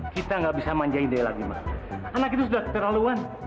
kita gak bisa manjain dia lagi ma anak itu sudah keterlaluan